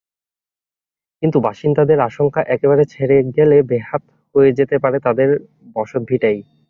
কিন্তু বাসিন্দাদের আশঙ্কা একবার ছেড়ে গেলে বেহাত হয়ে যেতে পারে তাঁদের বসতভিটাই।